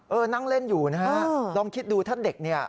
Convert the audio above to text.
นั่งเล่นอยู่นะฮะลองคิดดูถ้าเด็กเนี่ย